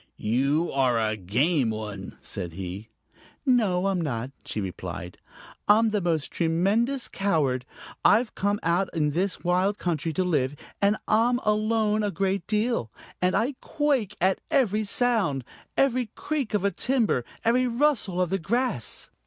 "You are a game one," said he. "No, I'm not," she replied. "I'm the most tremendous coward. I've come out here in this wild country to live, and I'm alone a great deal, and I quake at every sound, every creak of a timber, every rustle of the grass.